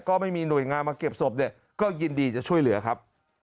ก็ไม่มีหน่วยงานมาเก็บศพเนี่ยก็ยินดีจะช่วยเหลือครับ